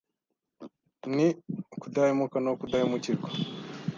Ni ukudahemuka no kudahemukirwa